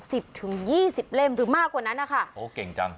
สิบถึงยี่สิบเล่มหรือมากกว่านั้นนะคะโอ้เก่งจัง